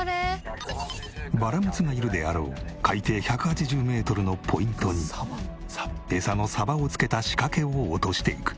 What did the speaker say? バラムツがいるであろう海底１８０メートルのポイントに餌のサバを付けた仕掛けを落としていく。